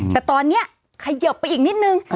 แต่ตอนนี้เขยิบไปอีกนิดนึง